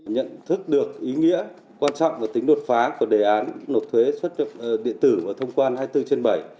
nhận thức được ý nghĩa quan trọng và tính đột phá của đề án nộp thuế xuất điện tử và thông quan hai mươi bốn trên bảy